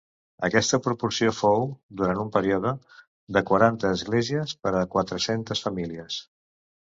Aquesta proporció fou, durant un període, de quaranta esglésies per a quatre-centes famílies.